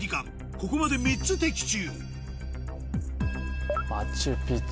ここまで３つ的中